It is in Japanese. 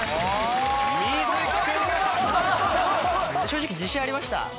正直自信ありました。